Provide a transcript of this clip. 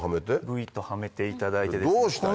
ぐいっとはめていただいてですね